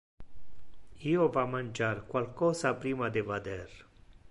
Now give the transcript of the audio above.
Io va mangiar qualcosa prima de vader.